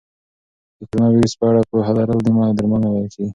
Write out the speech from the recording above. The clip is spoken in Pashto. د کرونا ویروس په اړه پوهه لرل نیمه درملنه بلل کېږي.